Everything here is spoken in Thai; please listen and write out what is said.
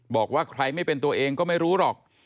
บอกว่าใครไม่เป็นตัวเองก็ไม่รู้หรอก